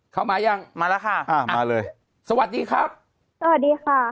เข้ามายังมาแล้วค่ะอ่ามาเลยสวัสดีครับสวัสดีค่ะ